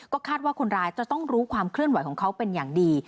คาดว่าคนร้ายจะต้องรู้ความเคลื่อนไหวของเขาเป็นอย่างดี